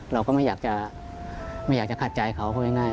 เราก็ไม่อยากจะขาดใจเขาพูดง่าย